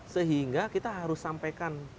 sehingga kita harus sampaikan